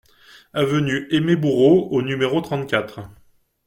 Avenue Aimé Bourreau au numéro trente-quatre